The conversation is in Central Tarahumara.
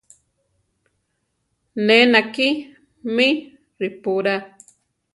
Ne nakí mí ripurá.